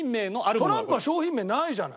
トランプは商品名ないじゃない。